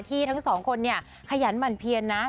ที่ทั้ง๒คนเนี่ยขยันหมั่นเพียรนะ